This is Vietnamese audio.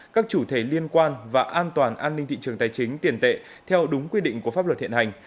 các chủ thể liên quan và an toàn an ninh thị trường tài chính tiền tệ theo đúng quy định của pháp luật hiện hành